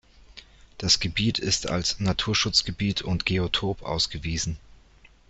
Das Gebiet ist als Naturschutzgebiet und Geotop ausgewiesen.